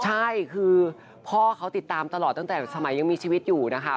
ใช่คือพ่อเขาติดตามตลอดตั้งแต่สมัยยังมีชีวิตอยู่นะคะ